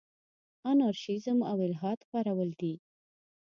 انارشیزم او الحاد خپرول دي.